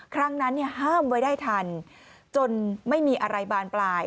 ครั้งนั้นห้ามไว้ได้ทันจนไม่มีอะไรบานปลาย